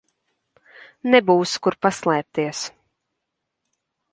Nebūs kur paslēpties.